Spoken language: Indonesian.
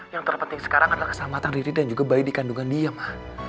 yang terpenting sekarang adalah keselamatan diri dan juga bayi dikandungan dia pak